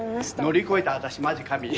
乗り越えたあたしマジ神。